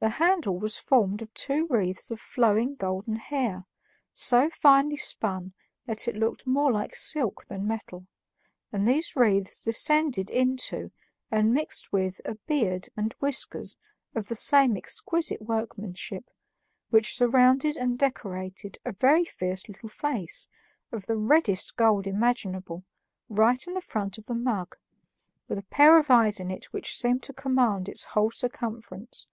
The handle was formed of two wreaths of flowing golden hair, so finely spun that it looked more like silk than metal, and these wreaths descended into and mixed with a beard and whiskers of the same exquisite workmanship, which surrounded and decorated a very fierce little face, of the reddest gold imaginable, right in the front of the mug, with a pair of eyes in it which seemed to command its whole circumference.